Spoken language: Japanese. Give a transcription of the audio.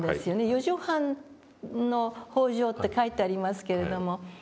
四畳半の方丈って書いてありますけれども。